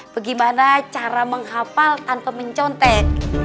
bagaimana cara menghapal tanpa mencontek